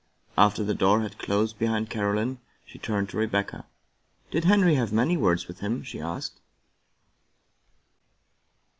After the door had closed behind Caroline, she turned to Rebecca. " Did Henry have many words with him ?" she asked.